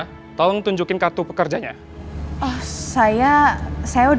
ada satu kartu honor itu